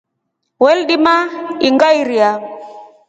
Weldima ingairia.